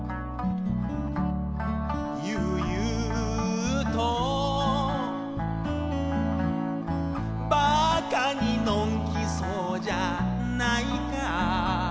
「ゆうゆうと」「馬鹿にのんきそうじゃないか」